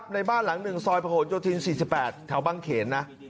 ในบ้านหลังหนึ่งซอยประโหลโยธิน๔๘แถวบังเขณฑ์